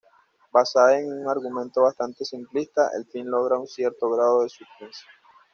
Basada en un argumento bastante simplista, el film logra un cierto grado de suspense.